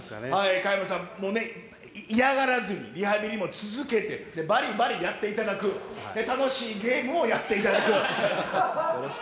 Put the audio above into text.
加山さんも嫌がらずに、リハビリも続けて、ばりばりやっていただく、楽しいゲームをやっていただく。